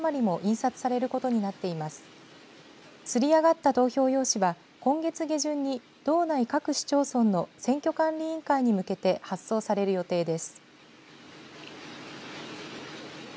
刷り上がった投票用紙は今月下旬に道内各市町村の選挙管理委員会に向けて発送される予定です。